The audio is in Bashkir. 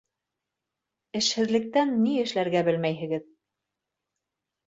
Эшһеҙлектән ни эшләргә белмәйһегеҙ.